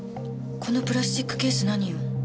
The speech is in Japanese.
このプラスチックケース何よ。